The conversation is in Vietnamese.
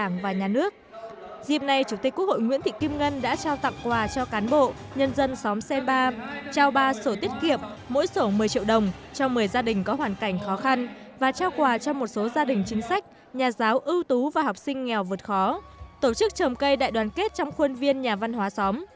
nguyễn thị kim ngân đã trao tặng quà cho cán bộ nhân dân xóm senba trao ba sổ tiết kiệp mỗi sổ một mươi triệu đồng cho một mươi gia đình có hoàn cảnh khó khăn và trao quà cho một số gia đình chính sách nhà giáo ưu tú và học sinh nghèo vượt khó tổ chức trầm cây đại đoàn kết trong khuôn viên nhà văn hóa xóm